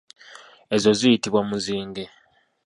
Ezo ziyitibwa muzinge.